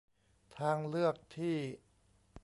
ทางเลือกที่